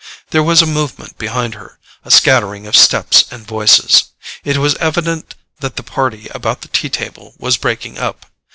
There was a movement behind her, a scattering of steps and voices: it was evident that the party about the tea table was breaking up.